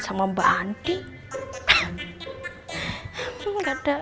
rata ratanya menjadi delapan lima puluh enam